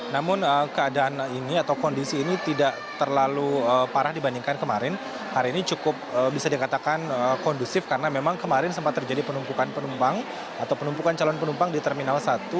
namun keadaan ini atau kondisi ini tidak terlalu parah dibandingkan kemarin hari ini cukup bisa dikatakan kondusif karena memang kemarin sempat terjadi penumpukan penumpang atau penumpukan calon penumpang di terminal satu